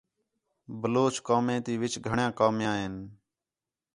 بلوچ قومیں تی وِچ گھݨیاں قومیاں ہِن